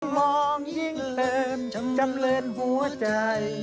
มองยิ่งลืมจำเรินหัวใจ